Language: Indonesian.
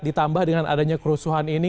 ditambah dengan adanya kerusuhan ini